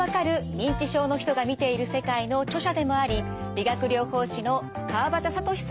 認知症の人が見ている世界」の著者でもあり理学療法士の川畑智さんに伺います。